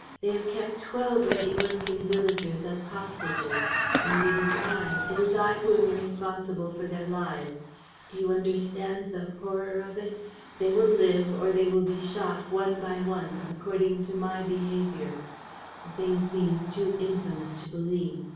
They have kept twelve of the Ornequin villagers as hostages; and it is I, it is I who am responsible for their lives! ... Do you understand the horror of it? They will live, or they will be shot, one by one, according to my behavior. ... The thing seems too infamous to believe.